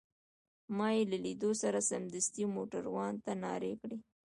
ما يې له لیدو سره سمدستي موټروان ته نارې کړې.